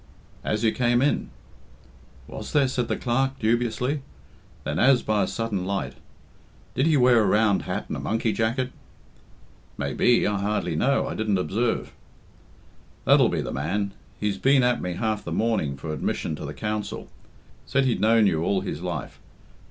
"As you came in." "Was there?" said the Clerk dubiously; then, as by a sudden light, "Did he wear a round hat and a monkey jacket?" "Maybe I hardly know I didn't observe." "That'll be the man. He's been at me half the morning for admission to the Council. Said he'd known you all his life.